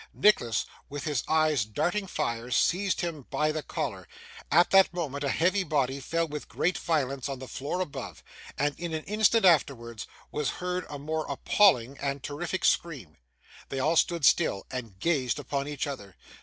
Nicholas, with his eyes darting fire, seized him by the collar. At that moment, a heavy body fell with great violence on the floor above, and, in an instant afterwards, was heard a most appalling and terrific scream. They all stood still, and gazed upon each other.